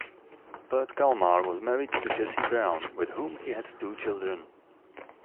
Bert Kalmar was married to Jessie Brown, with whom he had two children.